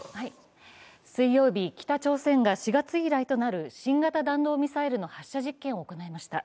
水曜日、北朝鮮が４月以来となる新型弾道ミサイルの発射実験を行いました。